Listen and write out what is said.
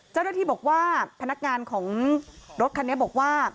เจ้าหน้าที่บอกว่าพนักงานของรถคันนี้บอกว่า